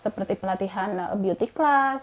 seperti pelatihan beauty class